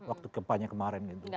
waktu kempannya kemarin gitu